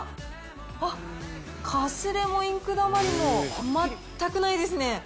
あっ、かすれもインクだまりも全くないですね。